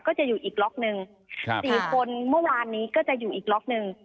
ก็จะอยู่อีกล็อกหนึ่ง๔คนเมื่อวานนี้ก็จะอยู่อีกล็อกหนึ่ง